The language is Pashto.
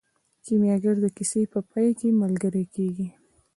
کیمیاګر د کیسې په پای کې ملګری کیږي.